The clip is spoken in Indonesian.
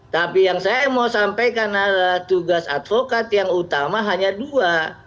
tapi yang saya mau sampaikan adalah tugas advokat yang utama hanya dua